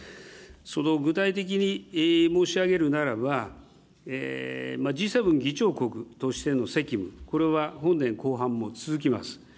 その具体的に申し上げるならば、Ｇ７議長国としての責務、これは本年後半も続きます。